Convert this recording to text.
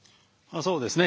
そうですね。